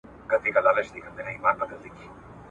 د ځنګل قانون نه غواړو.